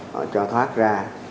họ cho thoát ra